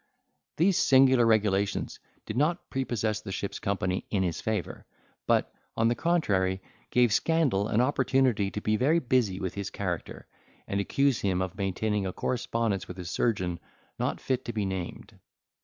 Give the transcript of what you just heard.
These singular regulations did not prepossess the ship's company in his favour: but, on the contrary, gave scandal an opportunity to be very busy with his character, and accuse him of maintaining a correspondence with his surgeon not fit to be named.